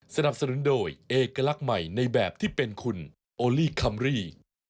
สนับสนุนโดยเอกลักษณ์ใหม่ในแบบที่เป็นคุณโอลี่คัมรี่